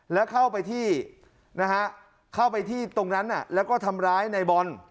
แล้วเข้าไปที่นะฮะเข้าไปที่ตรงนั้นแล้วก็ทำร้ายในบอล